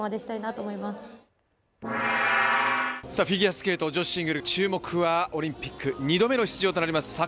フィギュアスケート女子シングル、注目は、オリンピック２度目の出場となります